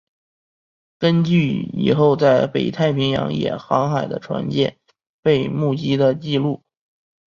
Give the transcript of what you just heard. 根据此后在北太平洋也航海的船舰被目击的记录。